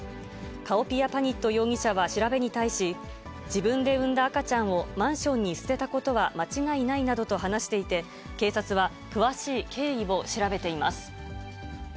カオピアパニット容疑者は調べに対し、自分で産んだ赤ちゃんをマンションに捨てたことは間違いないなどと話していて、警察は詳しい経緯を調べています。